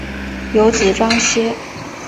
有子章碣。